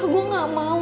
gue gak mau